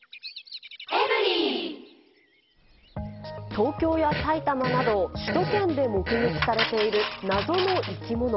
東京や埼玉など、首都圏で目撃されている謎の生き物。